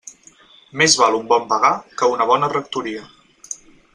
Més val un bon vagar que una bona rectoria.